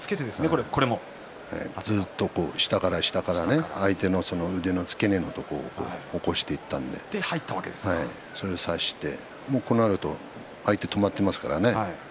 ずっと下から下から相手の腕の付け根のところを起こしていったのでもうこうなると相手が止まっていますからね。